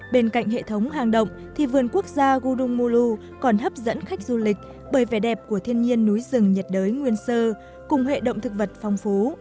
bên cạnh hệ thống hang động thì vườn quốc gia gurumu còn hấp dẫn khách du lịch bởi vẻ đẹp của thiên nhiên núi rừng nhiệt đới nguyên sơ cùng hệ động thực vật phong phú